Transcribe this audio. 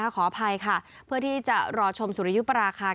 ขออภัยค่ะเพื่อที่จะรอชมสุริยุปราคา